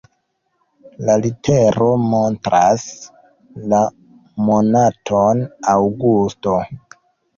La litero montras la monaton aŭgusto.